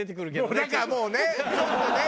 だからもうねちょっとね